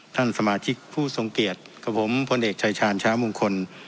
ท่านสมาชิกผู้สงเกตกับผมพลเอกชายชาญช้ามุงคล